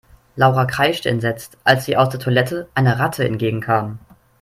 Laura kreischte entsetzt, als ihr aus der Toilette eine Ratte entgegenkam.